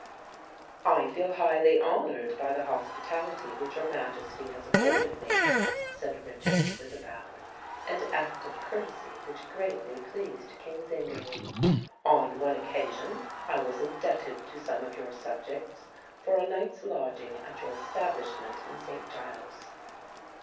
"I feel highly honoured by the hospitality which your Majesty has afforded me," said Richard, with a bow—an act of courtesy which greatly pleased King Zingary. "On one occasion I was indebted to some of your subjects for a night's lodging at your establishment in St. Giles's."